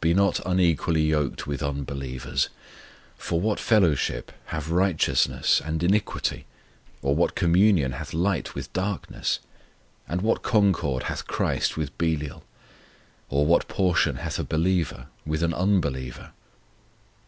"Be not unequally yoked with unbelievers: for what fellowship have righteousness and iniquity? or what communion hath light with darkness? And what concord hath CHRIST with Belial? or what portion hath a believer with an unbeliever?